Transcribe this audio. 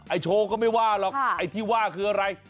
โชว์ก็ไม่ว่าหรอกไอ้ที่ว่าคืออะไร